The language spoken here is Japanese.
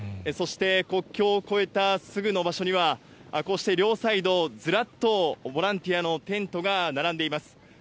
そして、国境を越えたすぐの場所には、こうして両サイド、ずらっとボランティアのテントが並んでいます。